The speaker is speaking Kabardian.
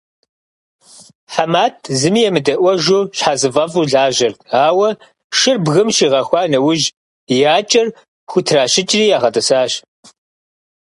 ХьэматӀ зыми емыдэӀуэжу щхьэзыфӀэфӀу лажьэрт, ауэ шыр бгым щигъэхуа нэужь, и акӀэр хутращыкӀри ягъэтӀысащ.